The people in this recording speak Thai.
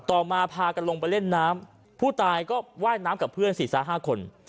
มาพากันลงไปเล่นน้ำผู้ตายก็ว่ายน้ำกับเพื่อน๔๕คน